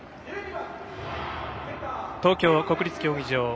東京・国立競技場。